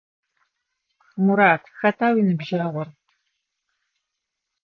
Мурат, хэта уиныбджэгъур?